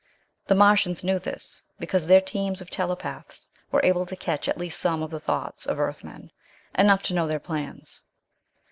The Martians knew this, because their teams of telepaths were able to catch at least some of the thoughts of Earthmen, enough to know their plans.